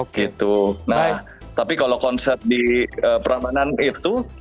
gitu nah tapi kalau konser di peramanan itu